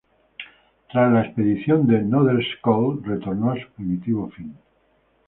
Tras la expedición de Nordenskiöld, retornó a su primitivo fin.